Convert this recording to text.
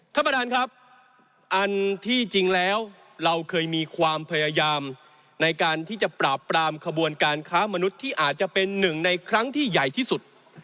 ท่านประธานครับอันที่จริงแล้วเราเคยมีความพยายามในการที่จะปราบปรามขบวนการค้ามนุษย์ที่อาจจะเป็นหนึ่งในครั้งที่ใหญ่ที่สุด